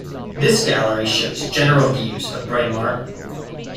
This gallery shows general views of Braemar.